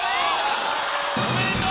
おめでとう。